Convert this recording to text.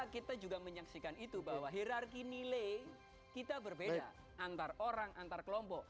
kita juga menyaksikan itu bahwa hirarki nilai kita berbeda antar orang antar kelompok